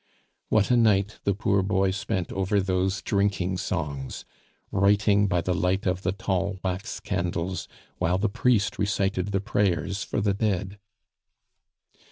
What a night the poor boy spent over those drinking songs, writing by the light of the tall wax candles while the priest recited the prayers for the dead!